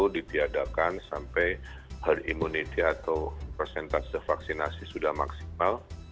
ditiadakan sampai herd immunity atau persentase vaksinasi sudah maksimal